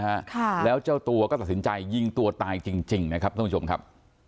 สุดท้ายไม่ยอมนะฮะแล้วเจ้าตัวก็ตัดสินใจยิงตัวตายจริงจริงนะครับท่านผู้ชมครับ